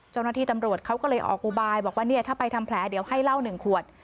เจ้าหน้าที่ตำรวจเขาก็เลยออกอุบายบอกว่าเนี่ยถ้าไปทำแผลเดี๋ยวให้เหล้า๑ขวด